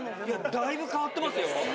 だいぶ変わってますよ。